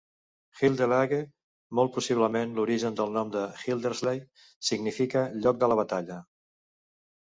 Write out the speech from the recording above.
Hilde-Laege, molt possiblement l'origen del nom de Hildersley, significa lloc de la batalla.